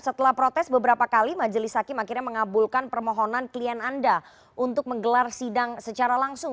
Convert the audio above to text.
setelah protes beberapa kali majelis hakim akhirnya mengabulkan permohonan klien anda untuk menggelar sidang secara langsung